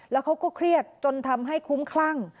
แล้วเขาก็เครียดจนทำให้คุ้มคลั่ง